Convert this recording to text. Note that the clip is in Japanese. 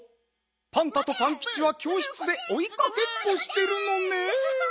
パンタとパンキチはきょうしつでおいかけっこしてるのねん。